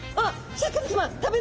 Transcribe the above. シャーク香音さま。